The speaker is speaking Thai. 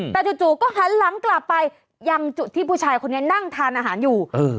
แต่จู่ก็หันหลังกลับไปยังจุดที่ผู้ชายคนนี้นั่งทานอาหารอยู่